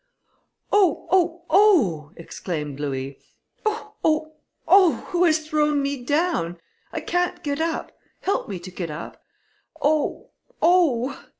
"Oh! oh! oh!" exclaimed Louis. "Oh! oh! oh! who has thrown me down? I can't get up; help me to get up. Oh! oh!"